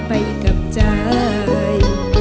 ไปกับใจ